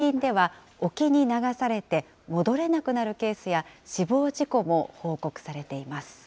一方で、最近では沖に流されて、戻れなくなるケースや死亡事故も報告されています。